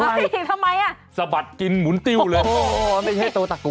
อะไรทำไมน่ะสะบัดกินหมุนติ้วเลยโอ้โฮไม่ให้โตตักกว่า